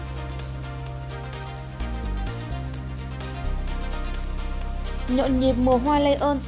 nhận nhiệm xe khách vi phạm bảo đảm an toàn cho người dân về quê đón tết